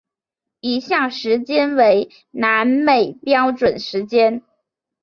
以下时间为南美标准时间。